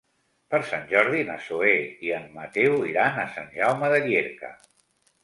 Per Sant Jordi na Zoè i en Mateu iran a Sant Jaume de Llierca.